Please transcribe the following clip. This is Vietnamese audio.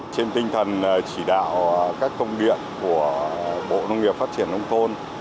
trên tinh thần chỉ đạo các công điện của bộ nông nghiệp phát triển nông thôn